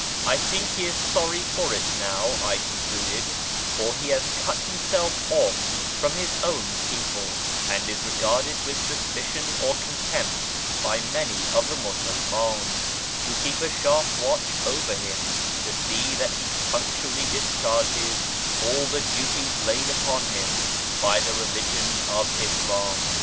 " I think he is sorry for it now," I concluded, " for he has cut himself off from his own people, and is regarded with suspicion or contempt by many of the Musulmans, who keep a sharp watch over him to see that he punctually discharges all the duties laid upon him by the religion of Islam.